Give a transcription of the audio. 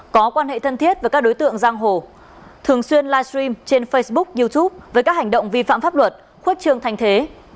có quan hệ thân thiết với các đối tượng giang hồ thường xuyên livestream trên facebook youtube với các hành động vi phạm pháp luật khuất trương thanh thế